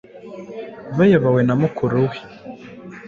bayobowe na mukuru we